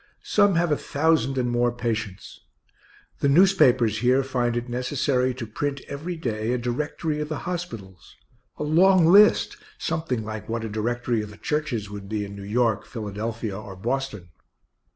Some have a thousand and more patients. The newspapers here find it necessary to print every day a directory of the hospitals a long list, something like what a directory of the churches would be in New York, Philadelphia, or Boston.